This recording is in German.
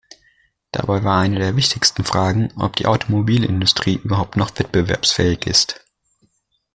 Dabei war eine der wichtigsten Fragen, ob die Automobilindustrie überhaupt noch wettbewerbsfähig ist.